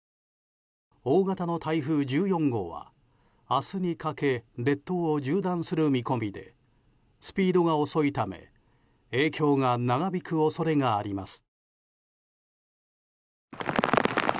大型の台風１４号は明日にかけ列島を縦断する見込みでスピードが遅いため影響が長引く恐れがあります。